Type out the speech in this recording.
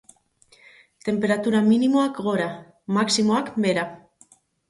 Tenperatura minimoak gora, maximoak behera.